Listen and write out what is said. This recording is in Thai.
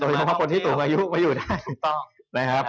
โดยเฉพาะคนที่สูงอายุมาอยู่ได้